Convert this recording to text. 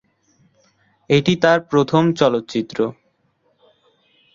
এটি তার প্রথম চলচ্চিত্র।